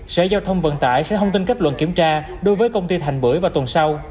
sở giao thông vận tải sẽ thông tin kết luận kiểm tra đối với công ty thành bưởi vào tuần sau